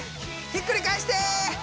ひっくり返して！